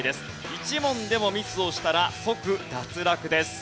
１問でもミスをしたら即脱落です。